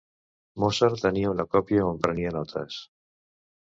Mozart tenia una copia on prenia notes.